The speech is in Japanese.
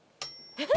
えっ？